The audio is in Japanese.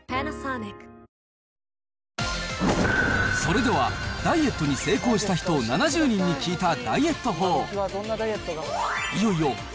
それでは、ダイエットに成功した人７０人に聞いたダイエット法。